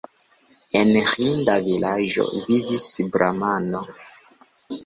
En ĥinda vilaĝo vivis bramano.